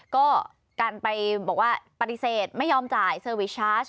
ก็การไปบอกว่าปฏิเสธไม่ยอมจ่ายเซอร์วิชาร์จ